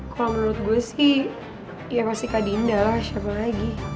kalo menurut gue sih ya pasti kak dinda lah siapa lagi